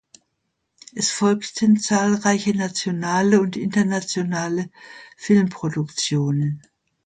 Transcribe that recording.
Es folgten zahlreiche nationale und internationale Filmproduktionen.